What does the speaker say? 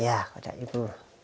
iya pada ibu